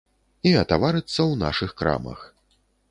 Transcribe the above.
І атаварыцца ў нашых крамах.